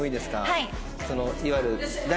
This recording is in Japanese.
はい。